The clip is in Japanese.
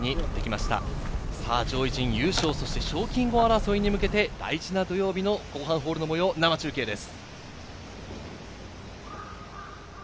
賞金王争いに向けて、大事な土曜日の後半ホールの模様を生中継です。